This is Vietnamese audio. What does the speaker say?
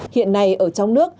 hiện nay ở trong nước